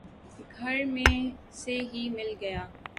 گھر میں سے ہی مل گیا